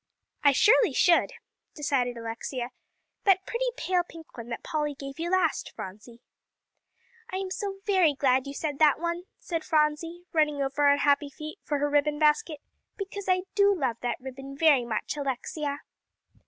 "I surely should," decided Alexia "that pretty pale pink one that Polly gave you last, Phronsie." "I am so very glad you said that one," said Phronsie, running over on happy feet for her ribbon basket, "because I do love that ribbon very much, Alexia."